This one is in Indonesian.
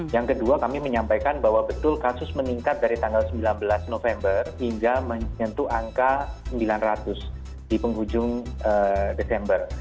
yang kedua kami menyampaikan bahwa betul kasus meningkat dari tanggal sembilan belas november hingga menyentuh angka sembilan ratus di penghujung desember